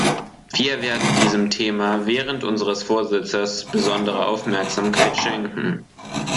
Wir werden diesem Thema während unseres Vorsitzes besondere Aufmerksamkeit schenken.